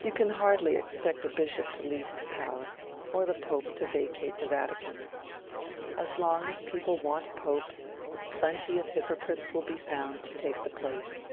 You can hardly expect a bishop to leave his palace, or the pope to vacate the Vatican. As long as people want popes, plenty of hypocrites will be found to take the place.